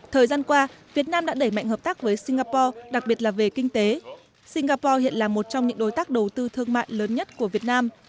thời gian qua việt nam đã đẩy mạnh hợp tác với singapore đặc biệt là về kinh tế singapore hiện là một trong những đối tác đầu tư thương mại lớn nhất của việt nam